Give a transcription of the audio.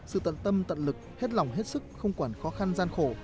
sự tận tâm tận lực hết lòng hết sức không quản khó khăn gian khổ